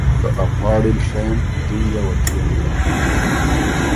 که ا پاړی ل ڒېن ټینګه وه کيېن